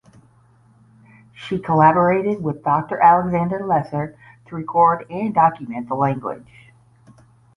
She collaborated with Doctor Alexander Lesser to record and document the language.